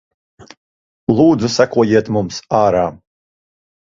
Lūdzu sekojiet mums ārā.